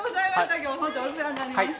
今日本当お世話になりました。